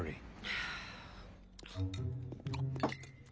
はあ。